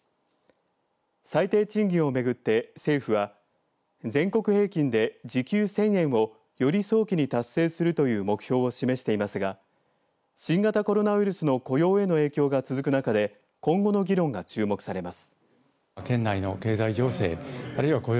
最低賃金をめぐって政府は全国平均で時給１０００円をより早期に達成するという目標を示していますが新型コロナウイルスの雇用への影響が続く中で今後の議論が注目されます。